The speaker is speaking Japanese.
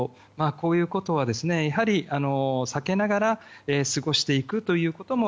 こういうことは、やはり避けながら過ごしていくということも